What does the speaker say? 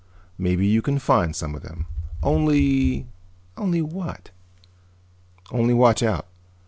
"Maybe you can find some of them. Only " "Only what?" "Only watch out.